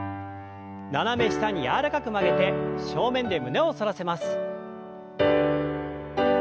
斜め下に柔らかく曲げて正面で胸を反らせます。